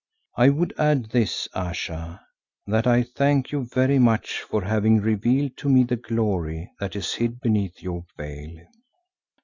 I would add this, Ayesha, that I thank you very much for having revealed to me the glory that is hid beneath your veil."